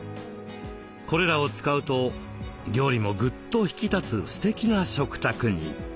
これらを使うと料理もぐっと引き立つすてきな食卓に。